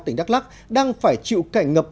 tỉnh đắk lắc đang phải chịu cạnh ngập